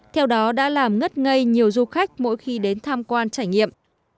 theo đó đã làm ngất ngây nhiều du khách mỗi khi đến tham quan trải nghiệm